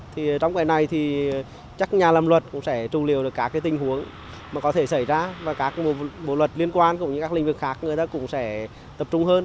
thì trong cái này thì chắc nhà làm luật cũng sẽ trung liều được các tình huống mà có thể xảy ra và các bộ luật liên quan cũng như các lĩnh vực khác người ta cũng sẽ tập trung hơn